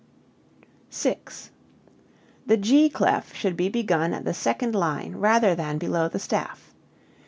6. The G clef should be begun at the second line rather than below the staff.